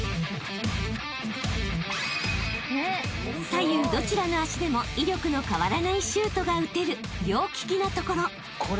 ［左右どちらの足でも威力の変わらないシュートが打てる］